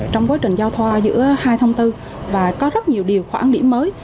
trong quá trình giao thoa giữa hai thông tư và có rất nhiều điều khoản điểm mới